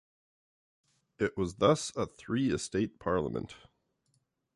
It was thus a three-estate parliament.